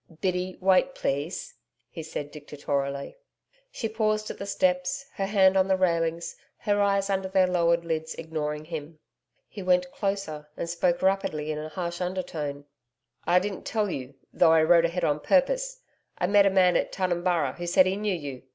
'Biddy, wait please,' he said dictatorially. She paused at the steps, her hand on the railings, her eyes under their lowered lids ignoring him. He went closer and spoke rapidly in a harsh undertone. 'I didn't tell you though I rode ahead on purpose I met a man at Tunumburra who said he knew you.